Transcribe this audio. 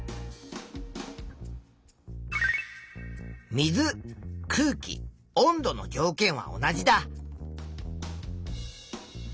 水空気温度の条件は同じだ。